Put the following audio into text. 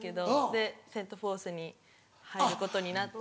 でセント・フォースに入ることになって。